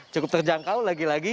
cukup terjangkau lagi lagi